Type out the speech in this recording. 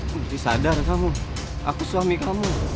putri sadar kamu aku suami kamu